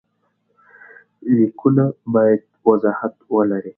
لیکونه باید وضاحت ولري.